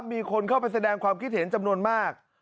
มีคนเข้าไปแสดงความคิดเห็นจำนวนมาก